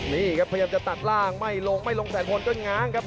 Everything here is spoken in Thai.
นี่ครับพยายามจะตัดล่างไม่ลงไม่ลงแสนพลก็ง้างครับ